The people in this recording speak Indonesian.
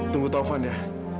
tunggu taufan ya